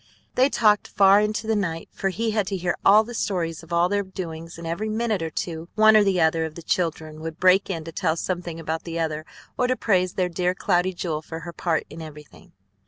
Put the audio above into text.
They talked far into the night, for he had to hear all the stories of all their doings, and every minute or two one or the other of the children would break in to tell something about the other or to praise their dear Cloudy Jewel for her part in everything.